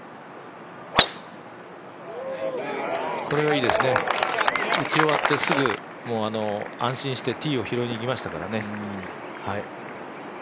これはいいですね、打ち終わってすぐ安心してティーを拾いにいきましたからね。